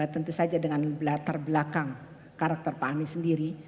tentu saja dengan latar belakang karakter pak anies sendiri